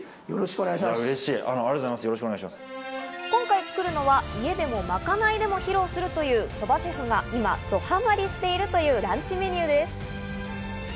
今回作るのは家でも、まかないでも披露するという鳥羽シェフが今どハマりしているというランチメニューです。